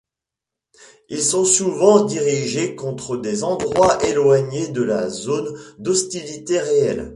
Ils sont souvent dirigés contre des endroits éloignés de la zone d'hostilité réelle.